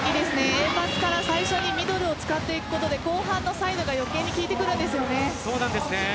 Ａパスから最初にミドルを使っていくことで後半のサイドが余計に効いてくるんですよね。